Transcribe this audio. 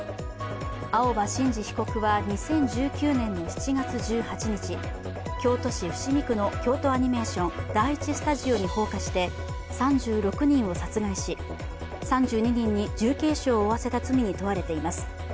青葉真司被告は２０１９年７月１８日、京都市伏見区の京都アニメーション第１スタジオに放火して３６人を殺害し、３２人に重軽傷を負わせた罪に問われています。